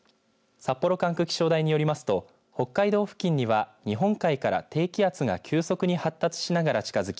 札幌管区気象台によりますと北海道付近には日本海から低気圧が急速に発達しながら近づき